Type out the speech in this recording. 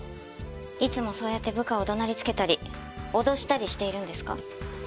いつもそうやって部下を怒鳴りつけたり脅したりしているんですか？